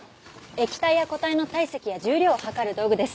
液体や固体の体積や重量を量る道具です。